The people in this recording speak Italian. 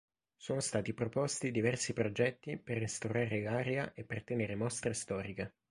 Sono stati proposti diversi progetti per restaurare l'area e per tenere mostre storiche.